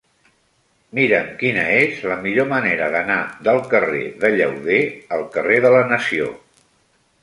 Mira'm quina és la millor manera d'anar del carrer de Llauder al carrer de la Nació.